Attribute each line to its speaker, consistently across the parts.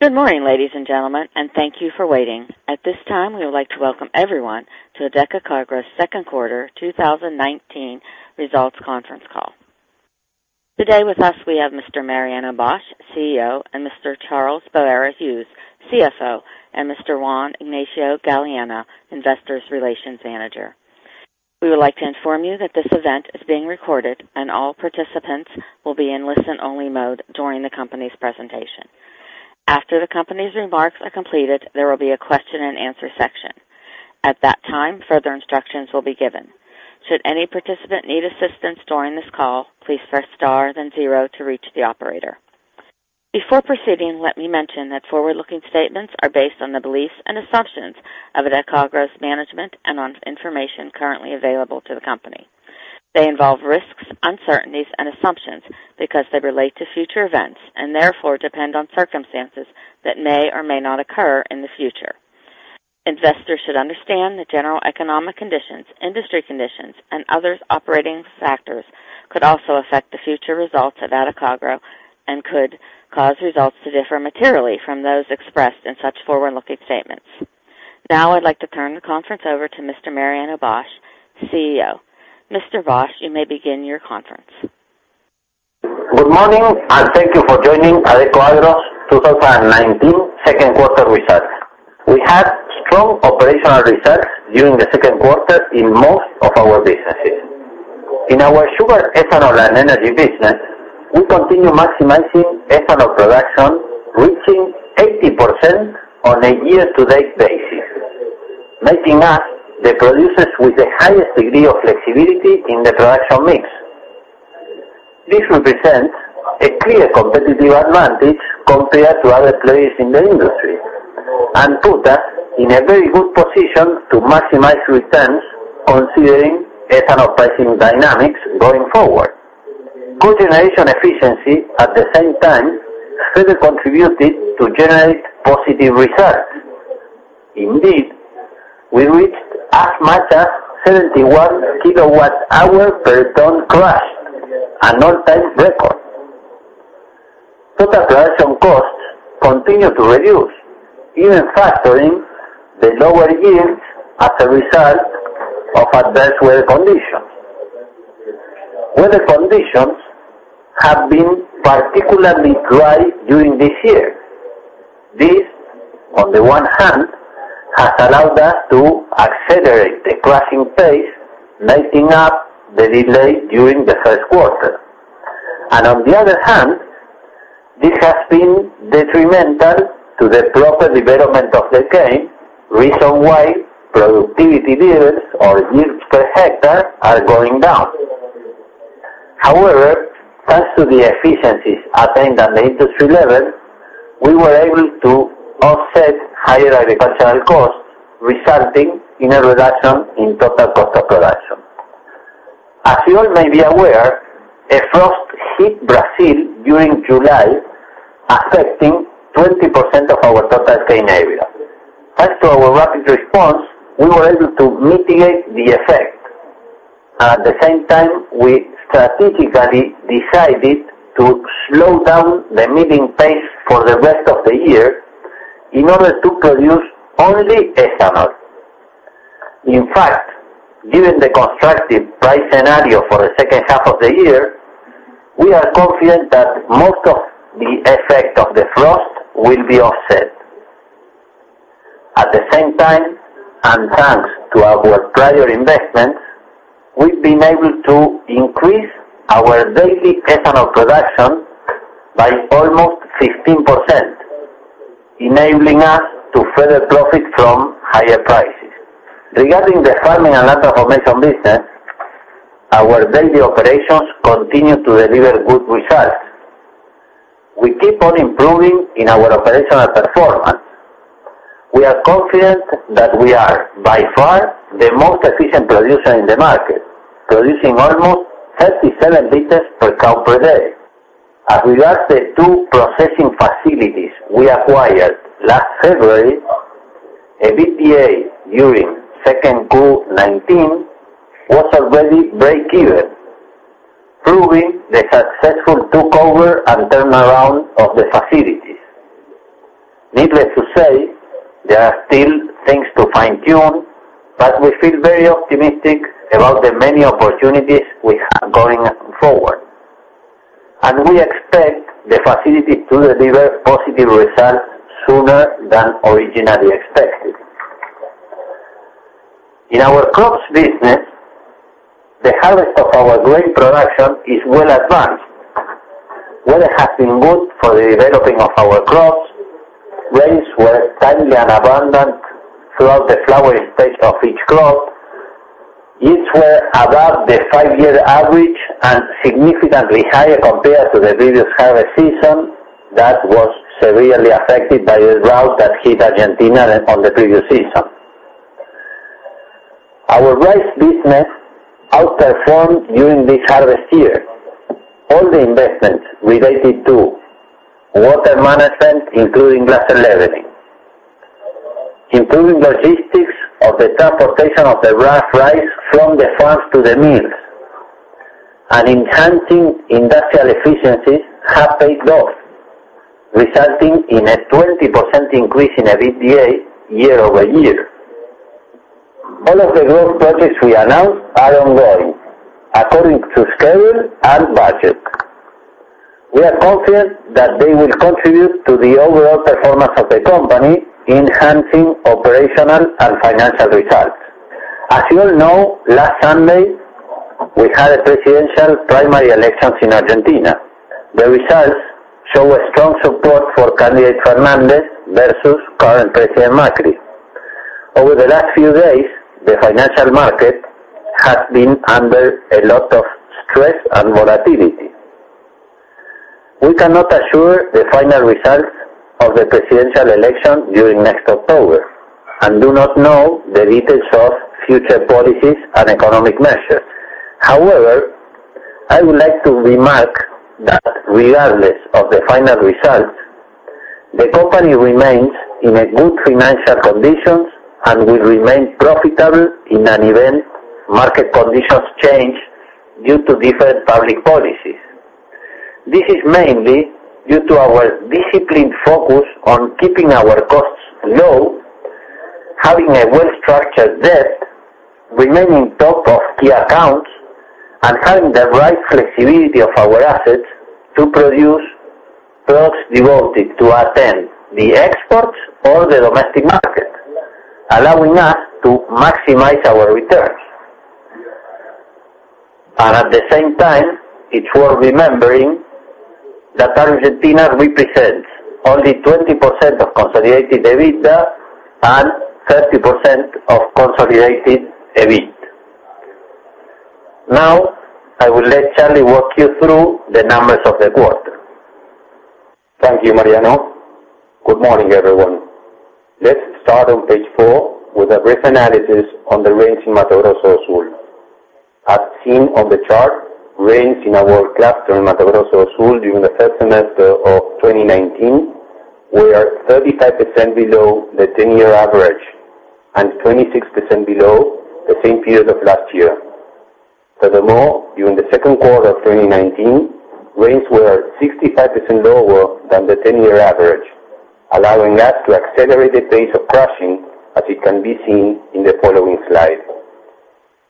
Speaker 1: Good morning, ladies and gentlemen, and thank you for waiting. At this time, we would like to welcome everyone to Adecoagro's second quarter 2019 results conference call. Today with us, we have Mr. Mariano Bosch, CEO, and Mr. Carlos Boero Hughes, CFO, and Mr. Juan Ignacio Galiano, Investor Relations Manager. We would like to inform you that this event is being recorded, and all participants will be in listen-only mode during the company's presentation. After the company's remarks are completed, there will be a question and answer section. At that time, further instructions will be given. Should any participant need assistance during this call, please press star then zero to reach the operator. Before proceeding, let me mention that forward-looking statements are based on the beliefs and assumptions of Adecoagro's management and on information currently available to the company. They involve risks, uncertainties, and assumptions because they relate to future events and therefore depend on circumstances that may or may not occur in the future. Investors should understand the general economic conditions, industry conditions, and other operating factors could also affect the future results of Adecoagro and could cause results to differ materially from those expressed in such forward-looking statements. Now I'd like to turn the conference over to Mr. Mariano Bosch, CEO. Mr. Bosch, you may begin your conference.
Speaker 2: Good morning. Thank you for joining Adecoagro's 2019 second quarter results. We had strong operational results during the second quarter in most of our businesses. In our sugar, ethanol, and energy business, we continue maximizing ethanol production, reaching 80% on a year-to-date basis, making us the producers with the highest degree of flexibility in the production mix. This represents a clear competitive advantage compared to other players in the industry and put us in a very good position to maximize returns considering ethanol pricing dynamics going forward. Good generation efficiency at the same time further contributed to generate positive results. Indeed, we reached as much as 71 kWh per ton crushed, an all-time record. Total production costs continue to reduce, even factoring the lower yields as a result of adverse weather conditions. Weather conditions have been particularly dry during this year. This, on the one hand, has allowed us to accelerate the crushing pace, making up the delay during the first quarter. On the other hand, this has been detrimental to the proper development of the cane, reason why productivity deals or yields per hectare are going down. However, thanks to the efficiencies attained at the industry level, we were able to offset higher agricultural costs, resulting in a reduction in total cost of production. As you all may be aware, a frost hit Brazil during July, affecting 20% of our total cane area. Thanks to our rapid response, we were able to mitigate the effect. At the same time, we strategically decided to slow down the milling pace for the rest of the year in order to produce only ethanol. In fact, given the constructive price scenario for the second half of the year, we are confident that most of the effect of the frost will be offset. At the same time, and thanks to our prior investments, we've been able to increase our daily ethanol production by almost 15%, enabling us to further profit from higher prices. Regarding the farming and transformation business, our daily operations continue to deliver good results. We keep on improving in our operational performance. We are confident that we are by far the most efficient producer in the market, producing almost 37 liters per cow per day. As regards the two processing facilities we acquired last February, EBPA during 2Q 2019 was already break-even, proving the successful takeover and turnaround of the facilities. Needless to say, there are still things to fine-tune, but we feel very optimistic about the many opportunities we have going forward. We expect the facility to deliver positive results sooner than originally expected. In our crops business, the harvest of our grain production is well advanced. Weather has been good for the developing of our crops. Rains were timely and abundant throughout the flowering stage of each crop. Yields were above the five-year average and significantly higher compared to the previous harvest season that was severely affected by the drought that hit Argentina on the previous season. Our rice business outperformed during this harvest year. All the investments related to water management, including glasshouses, improving logistics of the transportation of the rough rice from the farms to the mills and enhancing industrial efficiencies have paid off, resulting in a 20% increase in EBITDA year-over-year. All of the growth projects we announced are ongoing, according to schedule and budget. We are confident that they will contribute to the overall performance of the company, enhancing operational and financial results. As you all know, last Sunday, we had presidential primary elections in Argentina. The results show a strong support for candidate Fernández versus current President Macri. Over the last few days, the financial market has been under a lot of stress and volatility. We cannot assure the final results of the presidential election during next October, and do not know the details of future policies and economic measures. However, I would like to remark that regardless of the final results, the company remains in a good financial condition and will remain profitable in an event market conditions change due to different public policies. This is mainly due to our disciplined focus on keeping our costs low, having a well-structured debt, remaining top of key accounts, and having the right flexibility of our assets to produce products devoted to attend the exports or the domestic market, allowing us to maximize our returns. At the same time, it's worth remembering that Argentina represents only 20% of consolidated EBITDA and 30% of consolidated EBIT. Now, I will let Charlie walk you through the numbers of the quarter.
Speaker 3: Thank you, Mariano. Good morning, everyone. Let's start on page four with a brief analysis on the rains in Mato Grosso do Sul. As seen on the chart, rains in our cluster in Mato Grosso do Sul during the first semester of 2019 were 35% below the 10-year average and 26% below the same period of last year. During the second quarter of 2019, rains were 65% lower than the 10-year average, allowing us to accelerate the pace of crushing as it can be seen in the following slide.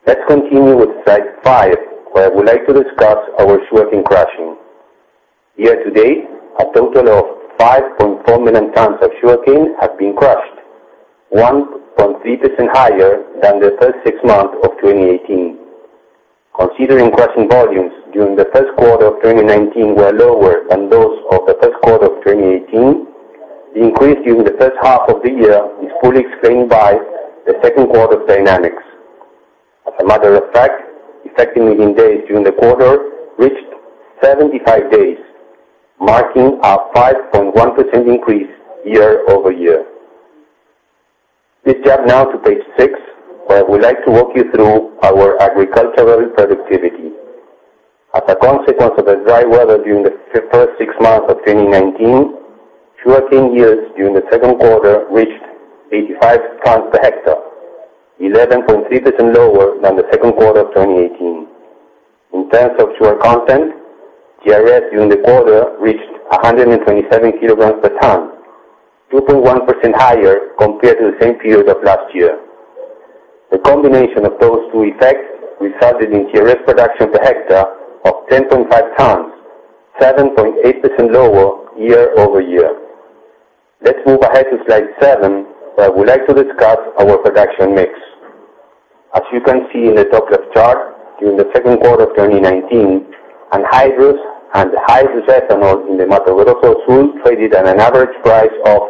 Speaker 3: Let's continue with slide five, where I would like to discuss our sugarcane crushing. Year to date, a total of 5.4 million tons of sugarcane have been crushed, 1.3% higher than the first six months of 2018. Considering crushing volumes during the first quarter of 2019 were lower than those of the first quarter of 2018, the increase during the first half of the year is fully explained by the second quarter dynamics. As a matter of fact, effect in days during the quarter reached 75 days, marking a 5.1% increase year-over-year. Please jump now to page six, where I would like to walk you through our agricultural productivity. As a consequence of the dry weather during the first six months of 2019, sugarcane yields during the second quarter reached 85 tons per hectare, 11.3% lower than the second quarter of 2018. In terms of sugar content, TRS during the quarter reached 127 kilograms per ton, 2.1% higher compared to the same period of last year. The combination of those two effects resulted in TRS production per hectare of 10.5 tons, 7.8% lower year-over-year. Let's move ahead to slide seven, where I would like to discuss our production mix. As you can see in the top left chart, during the second quarter of 2019, anhydrous ethanol and hydrous ethanol in the Mato Grosso do Sul traded at an average price of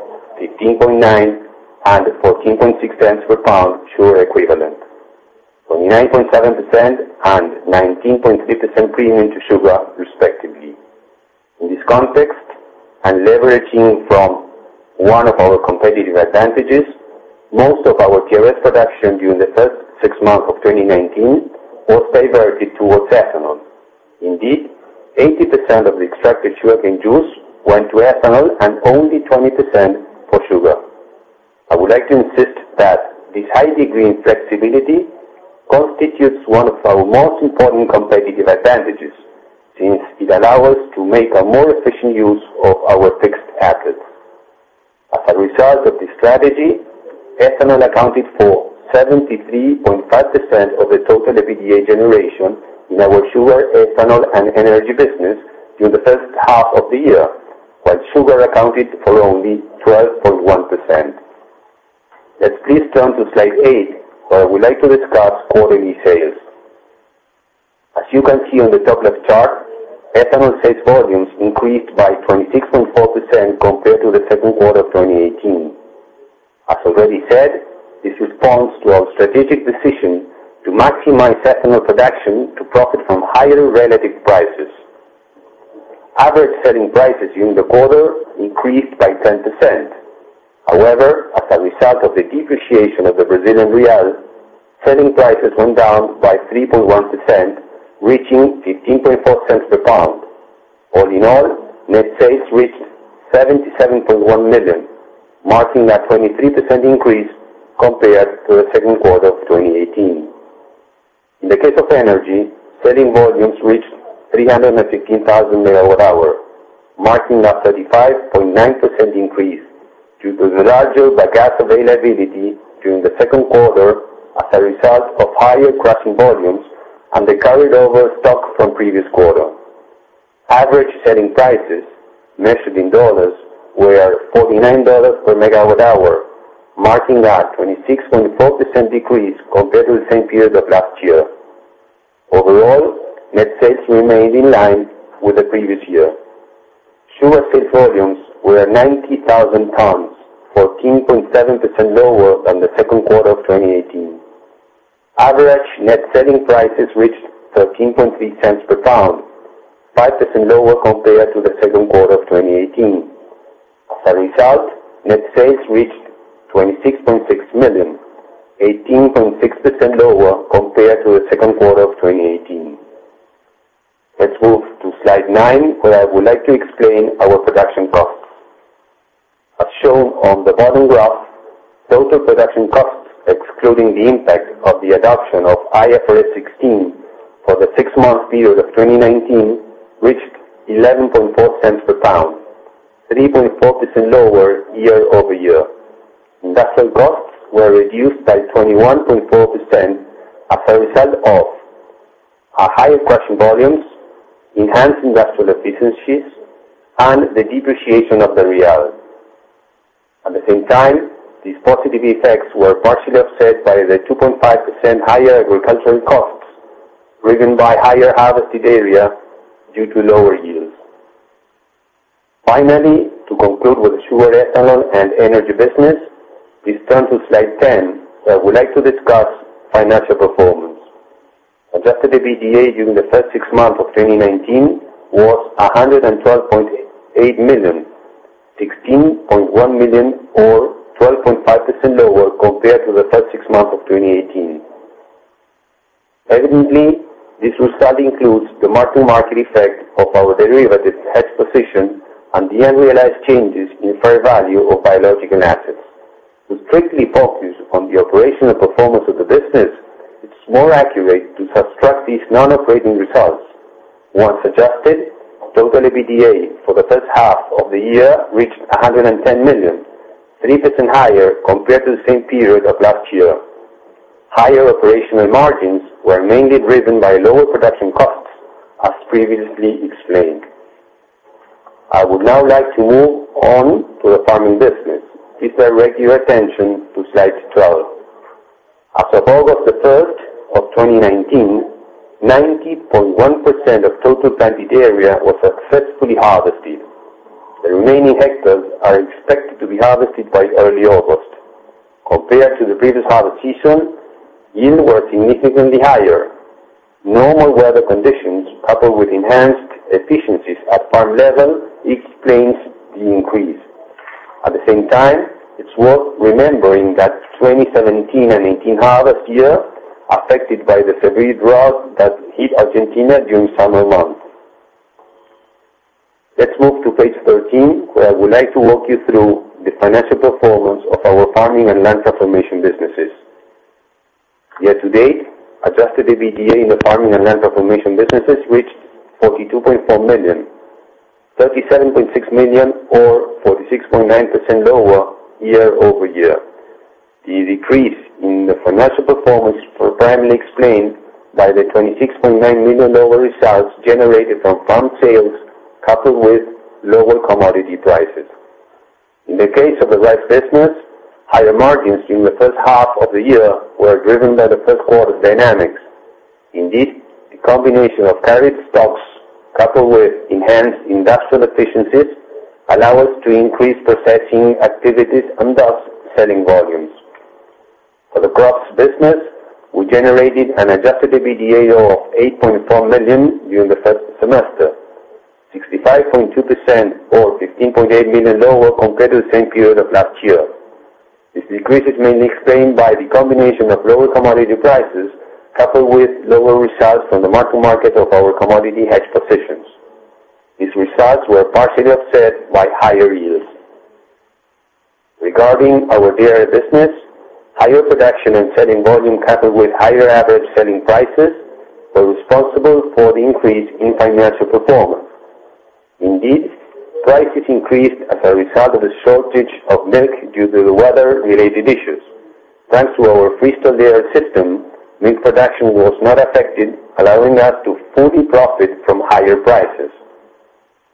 Speaker 3: $0.159 and $0.146 per pound, sugar equivalent, 29.7% and 19.3% premium to sugar, respectively. In this context, and leveraging from one of our competitive advantages, most of our TRS production during the first six months of 2019 was diverted towards ethanol. Indeed, 80% of the extracted sugarcane juice went to ethanol and only 20% for sugar. I would like to insist that this high degree in flexibility constitutes one of our most important competitive advantages, since it allow us to make a more efficient use of our fixed assets. As a result of this strategy, ethanol accounted for 73.5% of the total EBITDA generation in our sugar, ethanol, and energy business during the first half of the year, while sugar accounted for only 12.1%. Let's please turn to slide eight, where I would like to discuss quarterly sales. As you can see on the top left chart, ethanol sales volumes increased by 26.4% compared to the second quarter of 2018. As already said, this responds to our strategic decision to maximize ethanol production to profit from higher relative prices. Average selling prices during the quarter increased by 10%. However, as a result of the depreciation of the Brazilian real, selling prices went down by 3.1%, reaching $0.154 per pound. All in all, net sales reached $77.1 million, marking a 23% increase compared to the second quarter of 2018. In the case of energy, selling volumes reached 315,000 MWh, marking a 35.9% increase due to the larger bagasse availability during the second quarter as a result of higher crushing volumes and the carried over stock from previous quarter. Average selling prices measured in dollars were $49 per MWh, marking a 26.4% decrease compared to the same period of last year. Overall, net sales remained in line with the previous year. Sugar sales volumes were 90,000 tons, 14.7% lower than the second quarter of 2018. Average net selling prices reached $0.133 per pound, 5% lower compared to the second quarter of 2018. As a result, net sales reached $26.6 million, 18.6% lower compared to the second quarter of 2018. Let's move to slide nine, where I would like to explain our production costs. As shown on the bottom graph, total production costs, excluding the impact of the adoption of IFRS 16 for the six-month period of 2019, reached $0.114 per pound, 3.4% lower year-over-year. Industrial costs were reduced by 21.4% as a result of our higher crushing volumes, enhanced industrial efficiencies, and the depreciation of the BRL. At the same time, these positive effects were partially offset by the 2.5% higher agricultural costs, driven by higher harvested area due to lower yields. Finally, to conclude with the Sugar, Ethanol, and Energy business, please turn to slide 10. I would like to discuss financial performance. Adjusted EBITDA during the first six months of 2019 was $112.8 million, $16.1 million or 12.5% lower compared to the first six months of 2018. Evidently, this result includes the mark-to-market effect of our derivative hedge position and the unrealized changes in fair value of biological assets. We strictly focus on the operational performance of the business. It's more accurate to subtract these non-operating results. Once adjusted, total EBITDA for the first half of the year reached $110 million, 3% higher compared to the same period of last year. Higher operational margins were mainly driven by lower production costs, as previously explained. I would now like to move on to the farming business. Please direct your attention to slide 12. As of August 1st of 2019, 90.1% of total planted area was successfully harvested. The remaining hectares are expected to be harvested by early August. Compared to the previous harvest season, yields were significantly higher. Normal weather conditions, coupled with enhanced efficiencies at farm level, explains the increase. At the same time, it's worth remembering that 2017 and 2018 harvest year affected by the severe drought that hit Argentina during summer months. Let's move to page 13, where I would like to walk you through the financial performance of our farming and land transformation businesses. Year to date, adjusted EBITDA in the farming and land transformation businesses reached $42.4 million, $37.6 million or 46.9% lower year-over-year. The decrease in the financial performance were primarily explained by the $26.9 million lower results generated from farm sales, coupled with lower commodity prices. In the case of the rice business, higher margins during the first half of the year were driven by the first quarter dynamics. Indeed, the combination of carried stocks coupled with enhanced industrial efficiencies allow us to increase processing activities and thus selling volumes. For the crops business, we generated an adjusted EBITDA of $8.4 million during the first semester, 65.2% or $15.8 million lower compared to the same period of last year. This decrease is mainly explained by the combination of lower commodity prices, coupled with lower results from the mark-to-market of our commodity hedge positions. These results were partially offset by higher yields. Regarding our dairy business, higher production and selling volume, coupled with higher average selling prices, were responsible for the increase in financial performance. Indeed, prices increased as a result of the shortage of milk due to the weather-related issues. Thanks to our free stall dairy system, milk production was not affected, allowing us to fully profit from higher prices.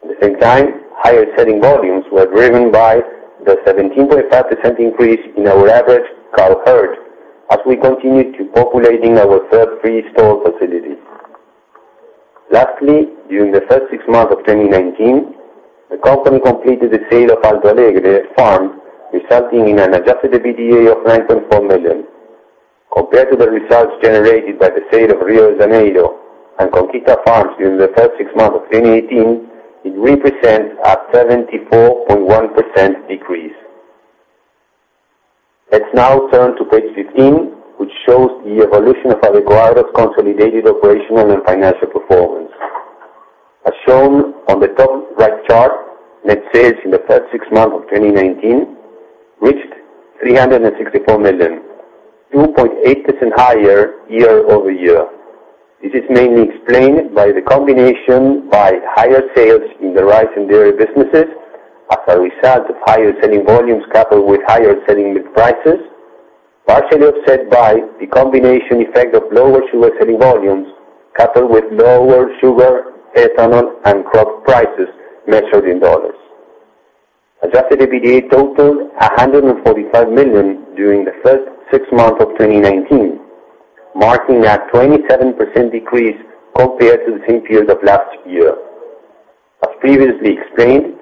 Speaker 3: At the same time, higher selling volumes were driven by the 17.5% increase in our average cow herd, as we continued populating our third free stall facility. Lastly, during the first six months of 2019, the company completed the sale of Alto Alegre farm, resulting in an adjusted EBITDA of $9.4 million. Compared to the results generated by the sale of Rio de Janeiro and Conchita farms during the first six months of 2018, it represents a 74.1% decrease. Let's now turn to page 15, which shows the evolution of Adecoagro's consolidated operational and financial performance. As shown on the top right chart, net sales in the first six months of 2019 reached $364 million, 2.8% higher year-over-year. This is mainly explained by the combination by higher sales in the rice and dairy businesses as a result of higher selling volumes coupled with higher selling milk prices, partially offset by the combination effect of lower sugar selling volumes coupled with lower sugar, ethanol, and crop prices measured in dollars. Adjusted EBITDA totaled $145 million during the first six months of 2019, marking a 27% decrease compared to the same period of last year. As previously explained,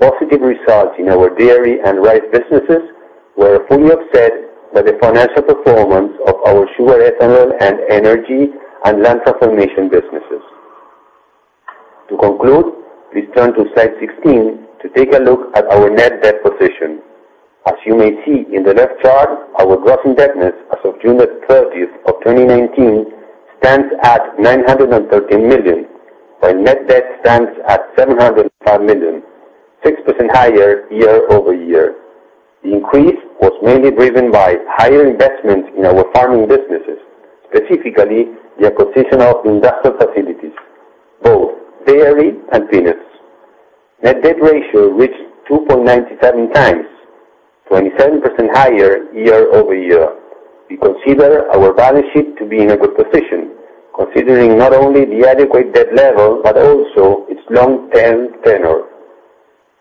Speaker 3: positive results in our dairy and rice businesses were fully offset by the financial performance of our sugar, ethanol, and energy, and land transformation businesses. To conclude, please turn to slide 16 to take a look at our net debt position. As you may see in the left chart, our gross indebtedness as of June 30th of 2019 stands at $913 million, while net debt stands at $705 million, 6% higher year-over-year. The increase was mainly driven by higher investments in our farming businesses, specifically the acquisition of industrial facilities, both dairy and peanuts. Net debt ratio reached 2.97 times, 27% higher year-over-year. We consider our balance sheet to be in a good position, considering not only the adequate debt level, but also its long-term tenor.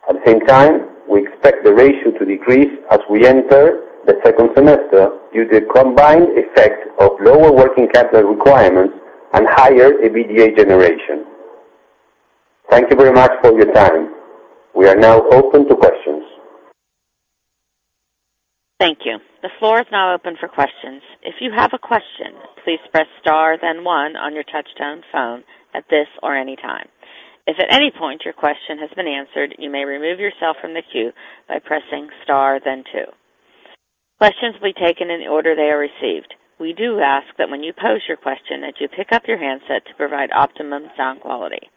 Speaker 3: At the same time, we expect the ratio to decrease as we enter the second semester due to the combined effect of lower working capital requirements and higher EBITDA generation. Thank you very much for your time. We are now open to questions.
Speaker 1: Thank you. The floor is now open for questions. If you have a question, please press star then one on your touch-tone phone at this or any time. If at any point your question has been answered, you may remove yourself from the queue by pressing star then two. Questions will be taken in the order they are received. We do ask that when you pose your question, that you pick up your handset to provide optimum sound quality.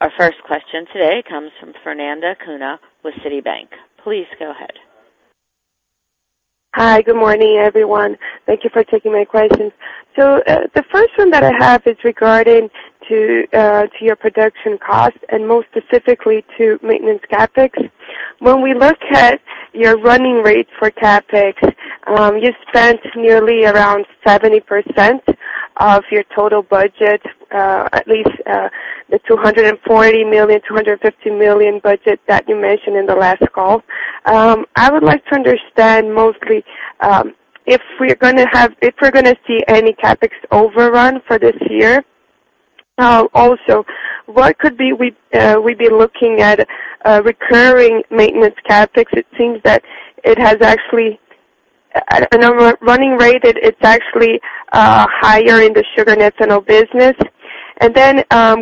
Speaker 1: Our first question today comes from Fernanda Cunha with Citibank. Please go ahead.
Speaker 4: Hi. Good morning, everyone. Thank you for taking my questions. The first one that I have is regarding your production cost and most specifically to maintenance CapEx. When we look at your running rates for CapEx, you spent nearly around 70% of your total budget, at least, the $240 million, $250 million budget that you mentioned in the last call. I would like to understand mostly, if we're going to see any CapEx overrun for this year. What could we be looking at recurring maintenance CapEx? It seems that it's actually higher in the sugar ethanol business.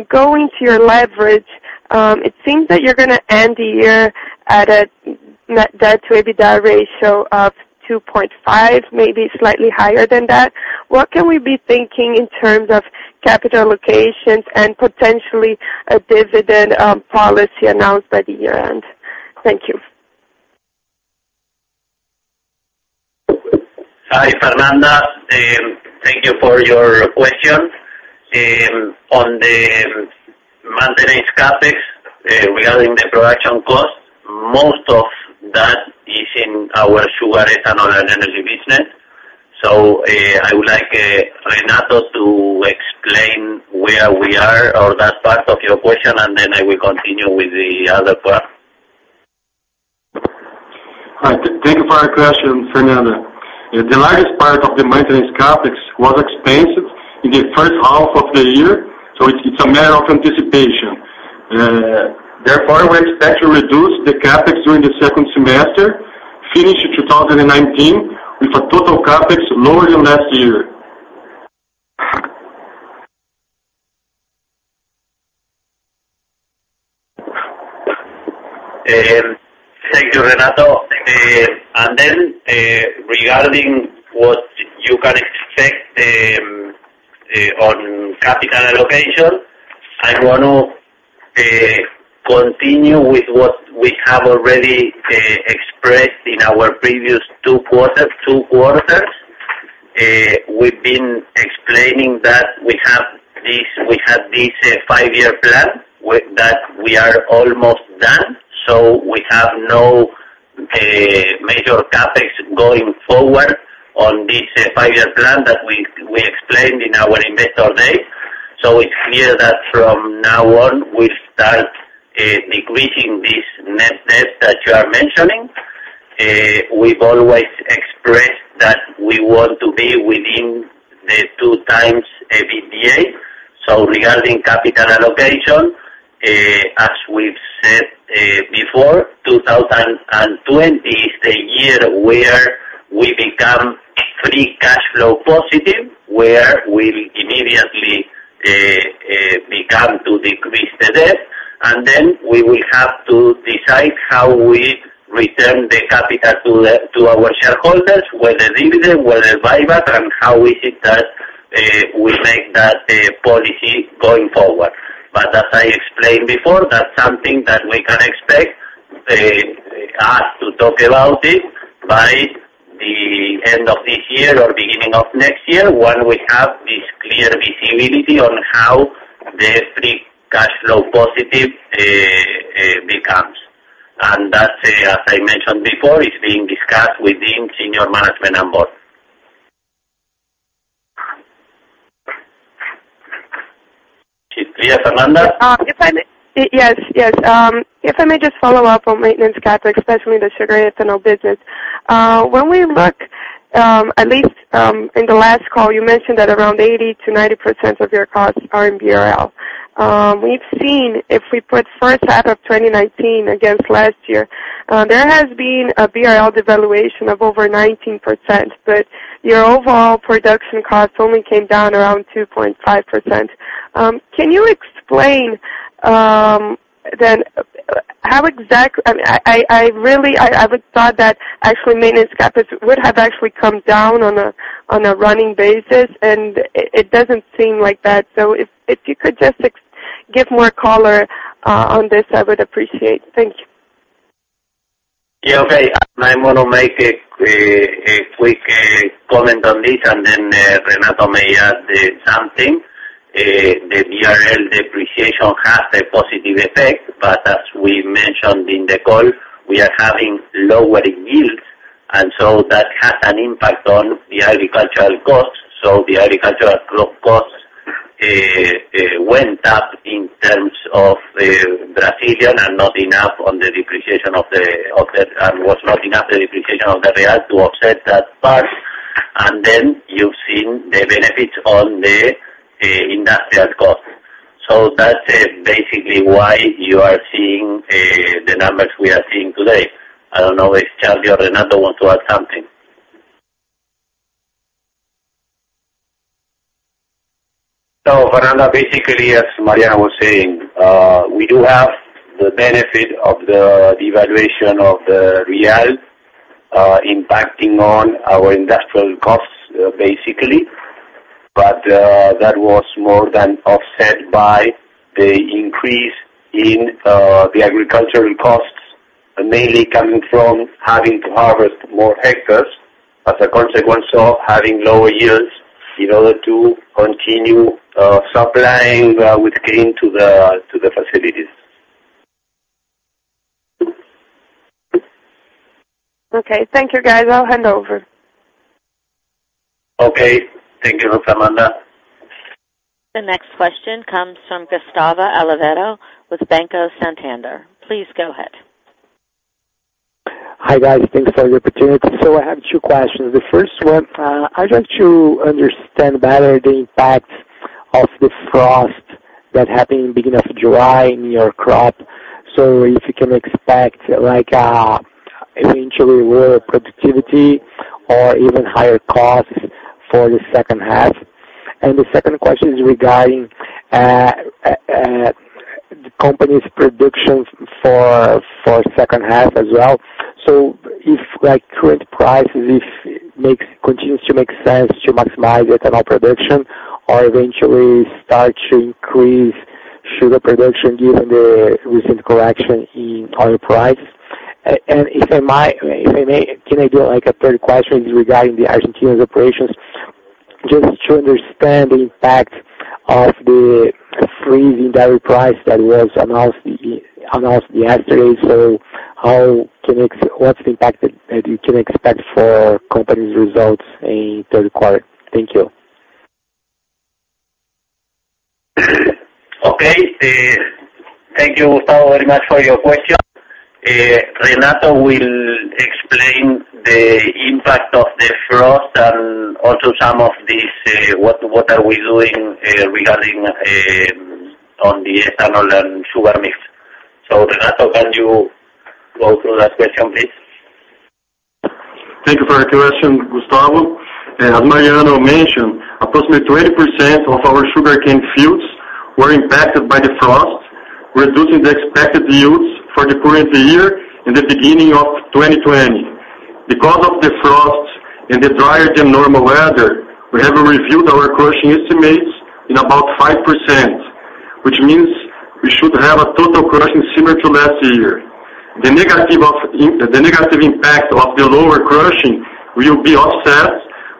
Speaker 4: Going to your leverage, it seems that you're going to end the year at a net debt to EBITDA ratio of 2.5, maybe slightly higher than that. What can we be thinking in terms of capital allocations and potentially a dividend policy announced by the year-end? Thank you.
Speaker 3: Hi, Fernanda. Thank you for your question. On the maintenance CapEx, regarding the production cost, most of that is in our sugar, ethanol, and energy business. I would like Renato to explain where we are on that part of your question, and then I will continue with the other part.
Speaker 5: Hi. Thank you for our question, Fernanda. The largest part of the maintenance CapEx was expansive in the first half of the year, so it's a matter of anticipation. Therefore, we expect to reduce the CapEx during the second semester, finish 2019 with a total CapEx lower than last year.
Speaker 3: Thank you, Renato. Regarding what you can expect on capital allocation, I want to continue with what we have already expressed in our previous two quarters. We've been explaining that we have this five-year plan that we are almost done. We have no major CapEx going forward on this five-year plan that we explained in our Investor Day. It's clear that from now on, we start decreasing this net debt that you are mentioning. We've always expressed that we want to be within the two times EBITDA. Regarding capital allocation, as we've said before, 2020 is the year where we become free cash flow positive, where we'll immediately
Speaker 2: We can to decrease the debt, and then we will have to decide how we return the capital to our shareholders, where the dividend, where the buyback, and how is it that we make that policy going forward. As I explained before, that's something that we can expect us to talk about it by the end of this year or beginning of next year, when we have this clear visibility on how the free cash flow positive becomes. That, as I mentioned before, is being discussed within senior management and board. Okay. Yes, Fernanda?
Speaker 4: Yes. If I may just follow up on maintenance CapEx, especially in the sugar ethanol business. When we look, at least in the last call, you mentioned that around 80%-90% of your costs are in BRL. We've seen, if we put first half of 2019 against last year, there has been a BRL devaluation of over 19%, but your overall production costs only came down around 2.5%. Can you explain then how exactly I would thought that actually maintenance CapEx would have actually come down on a running basis, and it doesn't seem like that. If you could just give more color on this, I would appreciate it. Thank you.
Speaker 2: Yeah. Okay. I'm going to make a quick comment on this, and then Renato may add something. The BRL depreciation has a positive effect, but as we mentioned in the call, we are having lower yields, and so that has an impact on the agricultural costs. The agricultural costs went up in terms of BRL, and was not enough the depreciation of the BRL to offset that part. You've seen the benefits on the industrial cost. That is basically why you are seeing the numbers we are seeing today. I don't know if Carlos or Renato want to add something.
Speaker 5: Fernanda, basically, as Mariano was saying, we do have the benefit of the devaluation of the BRL impacting on our industrial costs, basically. That was more than offset by the increase in the agricultural costs, mainly coming from having to harvest more hectares as a consequence of having lower yields in order to continue supplying with grain to the facilities.
Speaker 4: Okay. Thank you, guys. I'll hand over.
Speaker 2: Okay. Thank you. Fernanda.
Speaker 1: The next question comes from Gustavo Alvarenga with Banco Santander. Please go ahead.
Speaker 6: Hi, guys. Thanks for the opportunity. I have two questions. The first one, I'd like to understand better the impact of the frost that happened in beginning of July in your crop. If you can expect eventually lower productivity or even higher costs for the second half. The second question is regarding the company's predictions for second half as well. If current prices, if it continues to make sense to maximize ethanol production or eventually start to increase sugar production given the recent correction in oil prices. If I may, can I do a third question regarding Argentina's operations, just to understand the impact of the freeze in dairy price that was announced yesterday. What's the impact that you can expect for company's results in third quarter? Thank you.
Speaker 2: Okay. Thank you Gustavo, very much for your question. Renato will explain the impact of the frost and also some of this, what are we doing regarding on the ethanol and sugar mix. Renato, can you go through that question, please?
Speaker 5: Thank you for your question, Gustavo. As Mariano mentioned, approximately 20% of our sugarcane fields were impacted by the frost, reducing the expected yields for the current year in the beginning of 2020. Because of the frost and the drier than normal weather, we have reviewed our crushing estimates in about 5%, which means we should have a total crushing similar to last year. The negative impact of the lower crushing will be offset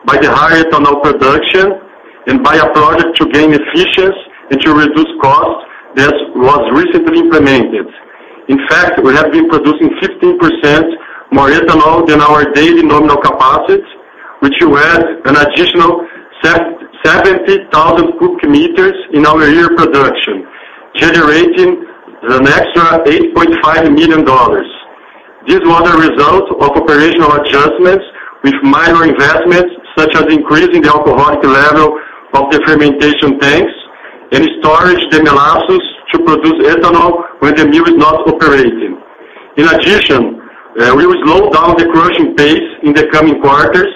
Speaker 5: by the higher ethanol production and by a project to gain efficiency and to reduce costs that was recently implemented. In fact, we have been producing 15% more ethanol than our daily nominal capacity, which will add an additional 70,000 cubic meters in our year production, generating an extra BRL 8.5 million. This was a result of operational adjustments with minor investments, such as increasing the alcoholic level of the fermentation tanks and storage of the molasses to produce ethanol when the mill is not operating. In addition, we will slow down the crushing pace in the coming quarters.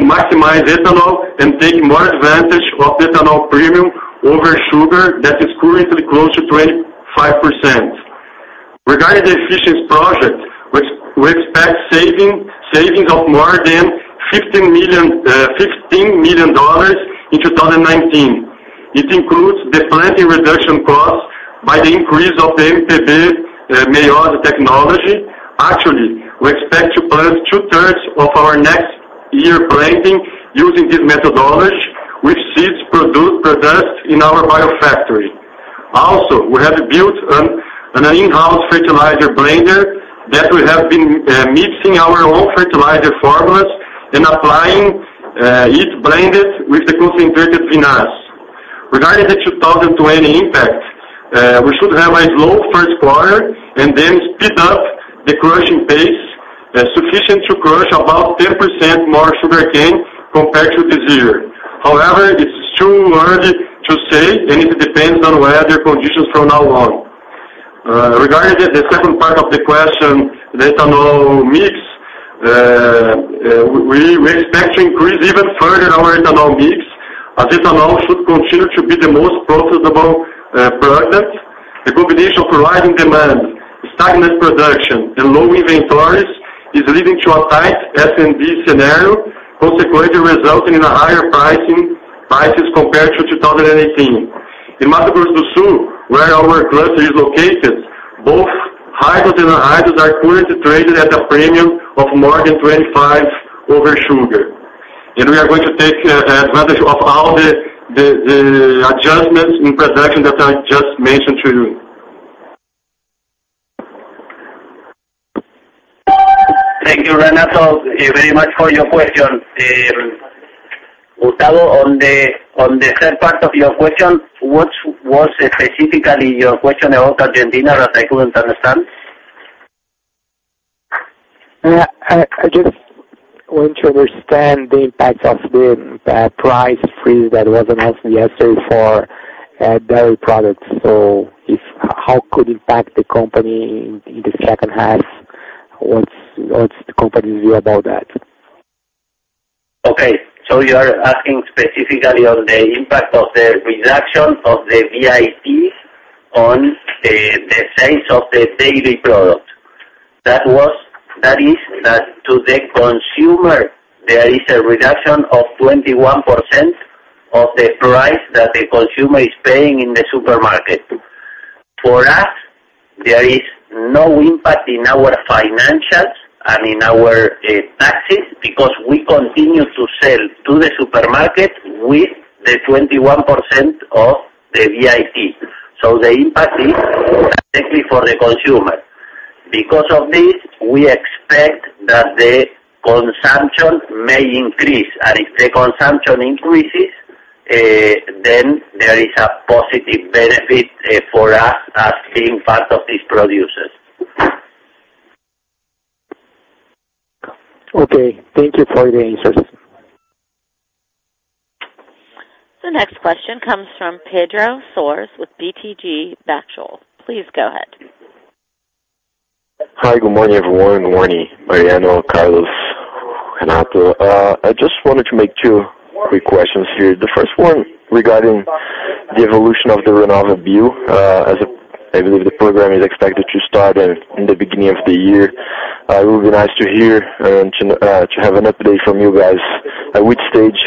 Speaker 5: Maximize ethanol and take more advantage of the ethanol premium over sugar that is currently close to 25%. Regarding the efficiency project, we expect savings of more than $15 million in 2019. It includes the planting reduction cost by the increase of the MPB Mayora technology. Actually, we expect to plant two-thirds of our next year planting using this methodology, with seeds produced in our biofactory. We have built an in-house fertilizer blender that we have been mixing our own fertilizer formulas and applying each blended with the concentrated vinasse. Regarding the 2020 impact, we should have a low first quarter and then speed up the crushing pace sufficient to crush about 10% more sugarcane compared to this year. It's too early to say, and it depends on weather conditions from now on. Regarding the second part of the question, the ethanol mix, we expect to increase even further our ethanol mix as ethanol should continue to be the most processable product. The combination of rising demand, stagnant production, and low inventories is leading to a tight S&D scenario, consequently resulting in higher prices compared to 2018. In Mato Grosso do Sul, where our cluster is located, both hydrous and anhydrous are currently traded at a premium of more than 25 over sugar. We are going to take advantage of all the adjustments in production that I just mentioned to you.
Speaker 2: Thank you, Renato, very much for your question. Gustavo, on the third part of your question, what specifically your question about Argentina that I couldn't understand?
Speaker 6: I just want to understand the impact of the price freeze that was announced yesterday for dairy products. How could it impact the company in the second half? What's the company's view about that?
Speaker 2: Okay. You are asking specifically on the impact of the reduction of the IVA on the sales of the dairy product. That is that to the consumer, there is a reduction of 21% of the price that the consumer is paying in the supermarket. For us, there is no impact in our financials and in our taxes because we continue to sell to the supermarket with the 21% of the IVA. The impact is exactly for the consumer. Because of this, we expect that the consumption may increase. If the consumption increases, there is a positive benefit for us as being part of these producers.
Speaker 6: Okay. Thank you for the answers.
Speaker 1: The next question comes from Pedro Soares with BTG Pactual. Please go ahead.
Speaker 7: Hi, good morning, everyone. Good morning, Mariano, Carlos, Renato. I just wanted to make two quick questions here. The first one regarding the evolution of the RenovaBio. I believe the program is expected to start in the beginning of the year. It will be nice to hear and to have an update from you guys at which stage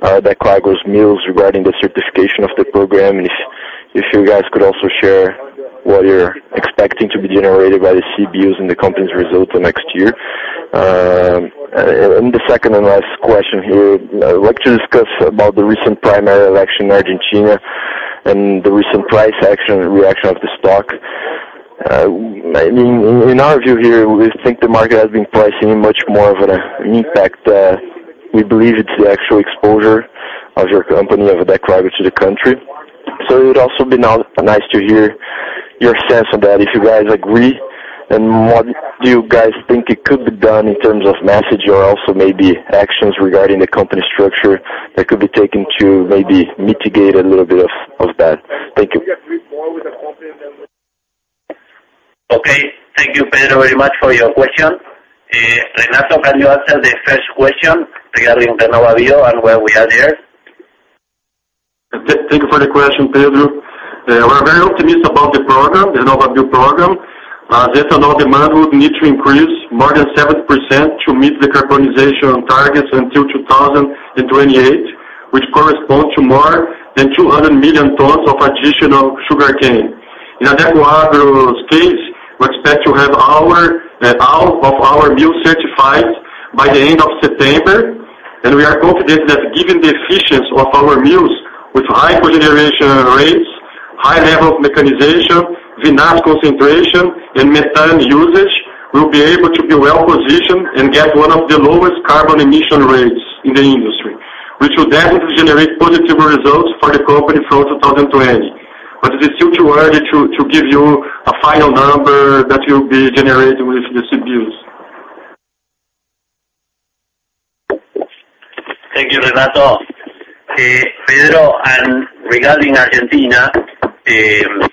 Speaker 7: the Adecoagro's mills regarding the certification of the program. If you guys could also share what you're expecting to be generated by the CBIOs and the company's results for next year. The second and last question here, I'd like to discuss about the recent primary election in Argentina and the recent price action reaction of the stock. In our view here, we think the market has been pricing in much more of an impact. We believe it's the actual exposure of your company, of Adecoagro to the country. It would also be nice to hear your sense of that, if you guys agree, and what do you guys think it could be done in terms of message or also maybe actions regarding the company structure that could be taken to maybe mitigate a little bit of that. Thank you.
Speaker 2: Okay. Thank you, Pedro, very much for your question. Renato, can you answer the first question regarding the RenovaBio and where we are there?
Speaker 5: Thank you for the question, Pedro. We're very optimistic about the program, the RenovaBio program. The ethanol demand would need to increase more than 7% to meet the carbonization targets until 2028, which corresponds to more than 200 million tons of additional sugarcane. In Adecoagro's case, we expect to have all of our mills certified by the end of September, and we are confident that given the efficiency of our mills with high co-generation rates, high level of mechanization, vinasse concentration, and methane usage, we'll be able to be well-positioned and get one of the lowest carbon emission rates in the industry, which will definitely generate positive results for the company from 2020. It is still too early to give you a final number that will be generated with the CBIOs.
Speaker 2: Thank you, Renato. Pedro, regarding Argentina and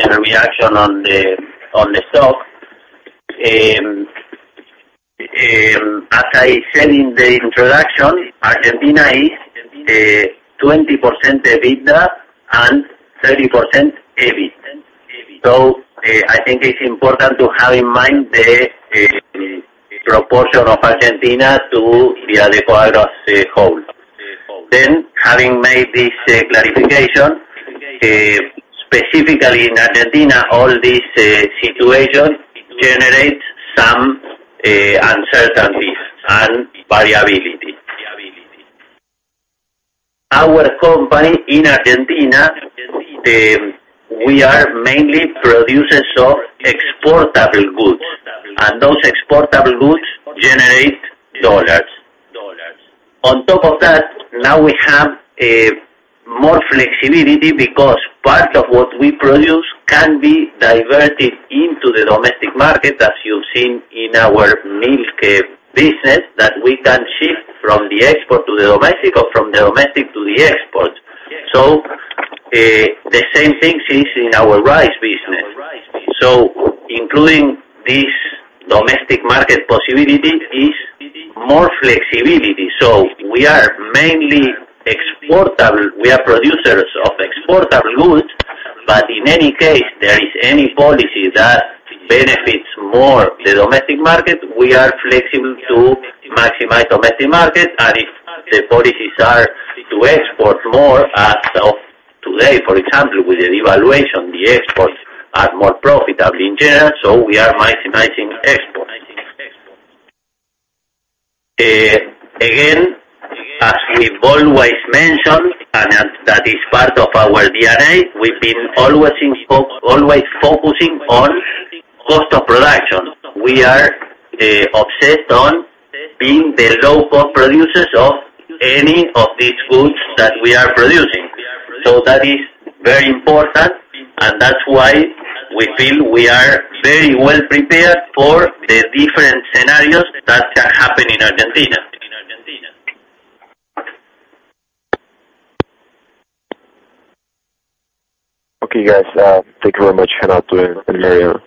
Speaker 2: a reaction on the stock. As I said in the introduction, Argentina is 20% EBITDA and 30% EBIT. I think it's important to have in mind the proportion of Argentina to the Adecoagro as a whole. Having made this clarification, specifically in Argentina, all these situations generate some uncertainties and variability. Our company in Argentina, we are mainly producers of exportable goods, and those exportable goods generate dollars. On top of that, now we have more flexibility because part of what we produce can be diverted into the domestic market, as you've seen in our milk business, that we can shift from the export to the domestic or from the domestic to the export. The same thing is in our rice business. Including this domestic market possibility is more flexibility. We are mainly producers of exportable goods, but in any case, there is any policy that benefits more the domestic market, we are flexible to maximize domestic market. If the policies are to export more, as of today, for example, with the devaluation, the exports are more profitable in general, we are maximizing exports. As we've always mentioned, and as that is part of our DNA, we've been always focusing on cost of production. We are obsessed on being the low-cost producers of any of these goods that we are producing. That is very important, and that's why we feel we are very well prepared for the different scenarios that happen in Argentina.
Speaker 7: Okay, guys. Thank you very much, Renato and Mariano.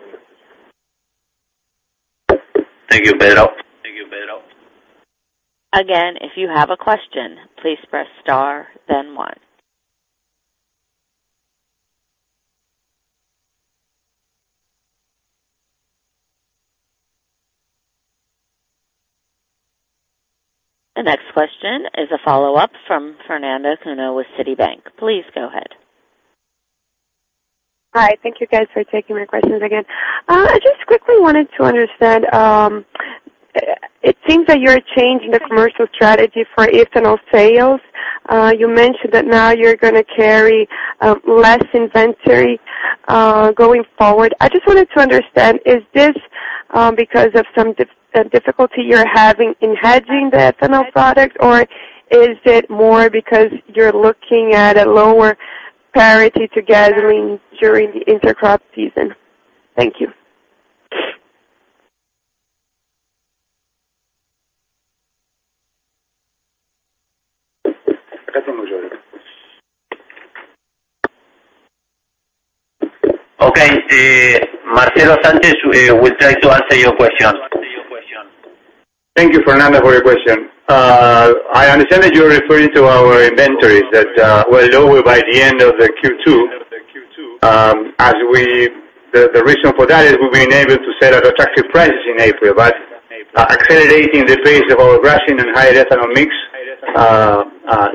Speaker 2: Thank you, Pedro.
Speaker 1: Again, if you have a question, please press star then one. The next question is a follow-up from Fernanda Cunha with Citibank. Please go ahead.
Speaker 4: Hi. Thank you guys for taking my questions again. I just quickly wanted to understand, it seems that you're changing the commercial strategy for ethanol sales. You mentioned that now you're going to carry less inventory, going forward. I just wanted to understand, is this because of some difficulty you're having in hedging the ethanol product, or is it more because you're looking at a lower parity to sugar during the inter-crop season? Thank you.
Speaker 2: Okay. Marcelo Sanchez will try to answer your question.
Speaker 8: Thank you, Fernanda, for your question. I understand that you're referring to our inventories that were lower by the end of the Q2. The reason for that is we've been able to set at attractive prices in April, but accelerating the pace of our crushing and high ethanol mix.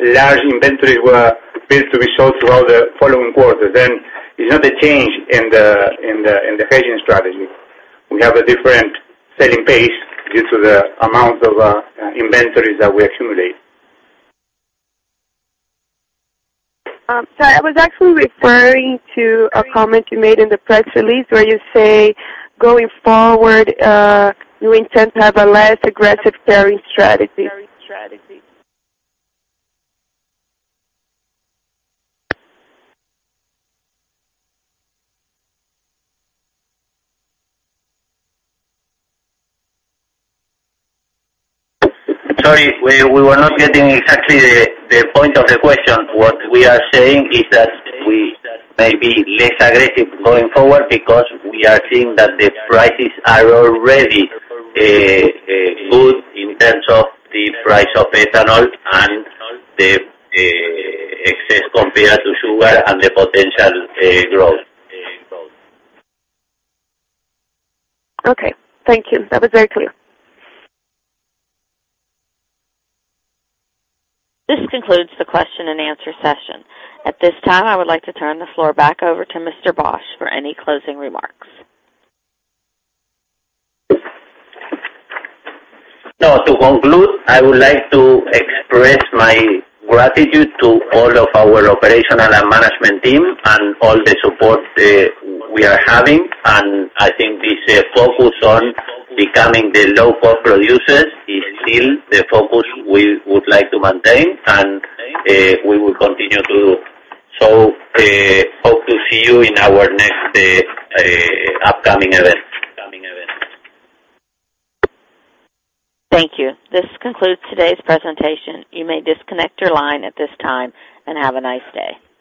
Speaker 8: Large inventories were built to be sold throughout the following quarters. It's not a change in the hedging strategy. We have a different selling pace due to the amount of inventories that we accumulate.
Speaker 4: Sorry, I was actually referring to a comment you made in the press release where you say, going forward, you intend to have a less aggressive carrying strategy.
Speaker 2: Sorry, we were not getting exactly the point of the question. What we are saying is that we may be less aggressive going forward because we are seeing that the prices are already good in terms of the price of ethanol and the excess compared to sugar and the potential growth.
Speaker 4: Okay. Thank you. That was very clear.
Speaker 1: This concludes the question and answer session. At this time, I would like to turn the floor back over to Mr. Bosch for any closing remarks.
Speaker 2: To conclude, I would like to express my gratitude to all of our operational and management team and all the support we are having. I think this focus on becoming the low-cost producers is still the focus we would like to maintain and we will continue to. Hope to see you in our next upcoming event.
Speaker 1: Thank you. This concludes today's presentation. You may disconnect your line at this time, and have a nice day.